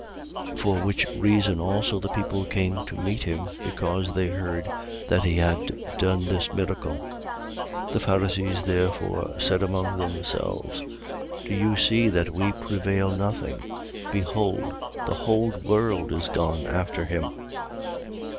12:18. For which reason also the people came to meet him, because they heard that he had done this miracle. 12:19. The Pharisees therefore said among themselves: Do you see that we prevail nothing? Behold, the whole world is gone after him.